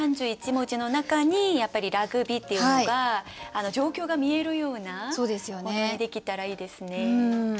３１文字の中にやっぱりラグビーっていうのが状況が見えるようなものにできたらいいですね。